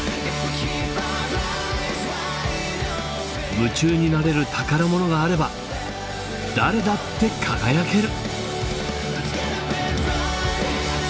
夢中になれる宝物があれば誰だって輝ける！